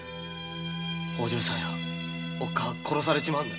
お嬢さんやおっかあが殺されちまうんだ！